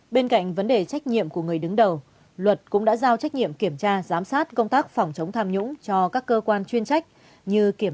bên cạnh vấn đề trách nhiệm của người đứng đầu luật cũng đã giao trách nhiệm kiểm tra giám sát công tác phòng chống tham nhũng cho các cơ quan chuyên nghiệp